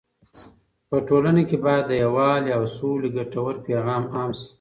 په ټولنه کې باید د یووالي او سولې ګټور پیغام عام سي.